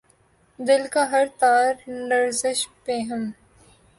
دل کا ہر تار لرزش پیہم